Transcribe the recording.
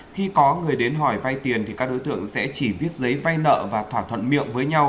khi có người đến hỏi vai tiền các đối tượng sẽ chỉ viết giấy vai nợ và thỏa thuận miệng với nhau